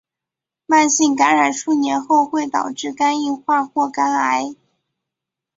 慢性感染数年后会导致肝硬化或肝癌。